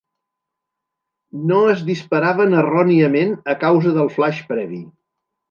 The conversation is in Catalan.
No es disparaven erròniament a causa del flaix previ.